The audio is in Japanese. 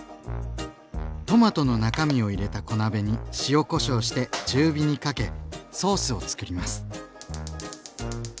トマトの中身を入れた小鍋に塩・こしょうして中火にかけソースをつくります。